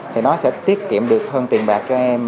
thì nó sẽ tiết kiệm được hơn tiền bạc cho em